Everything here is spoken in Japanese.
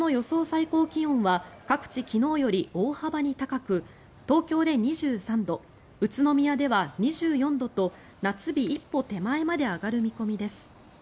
最高気温は各地、昨日より大幅に高く東京で２３度宇都宮では２４度と夏日一歩手前まで上がる見込みです。